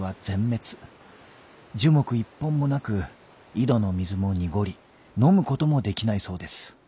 樹木一本もなく井戸の水も濁り飲むこともできないそうです」。